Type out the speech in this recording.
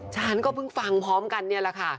ฉันก็เพิ่งฟังพร้อมกันนี่แหละค่ะ